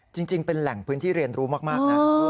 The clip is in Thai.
จริงเป็นแหล่งพื้นที่เรียนรู้มากนะ